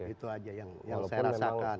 itu aja yang saya rasakan